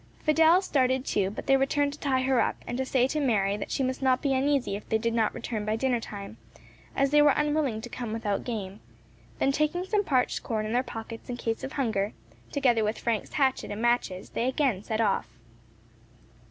Fidelle started too, but they returned to tie her up, and to say to Mary that she must not be uneasy if they did not return by dinner time, as they were unwilling to come without game; then taking some parched corn in their pockets in case of hunger, together with Frank's hatchet and matches, they again set off.